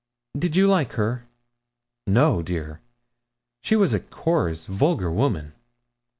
'Did you like her?' 'No, dear; she was a coarse, vulgar woman.'